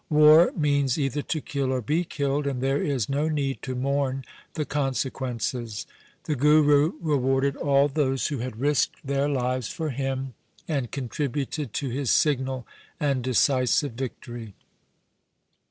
War means either to kill or be killed, and there is no need to mourn the con sequences.' The Guru rewarded all those who had risked their lives for him and contributed to his signal and decisive victory.